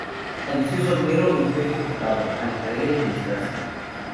Falleció soltero y fue ejecutado, al caer en desgracia.